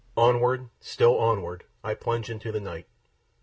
Onward, still onward, I plunge into the night.